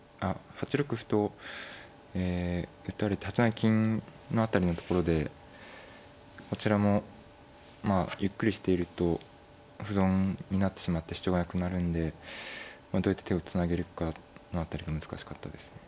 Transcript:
歩とえ打たれて８七金の辺りのところでこちらもまあゆっくりしていると歩損になってしまって主張がなくなるんでどうやって手をつなげるかの辺りが難しかったですね。